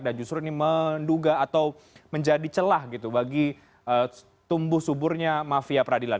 justru ini menduga atau menjadi celah gitu bagi tumbuh suburnya mafia peradilan